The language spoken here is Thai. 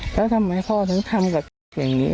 แล้วทำไมพ่อต้องทำเป็นเหตุผลอย่างนี้